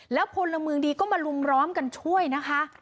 แล้วพลเมืองดีก็มาลุมล้อมกันช่วยนะคะ